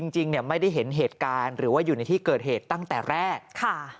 จริงไม่ได้เห็นเหตุการณ์หรือว่าอยู่ในที่เกิดเหตุตั้งแต่แรก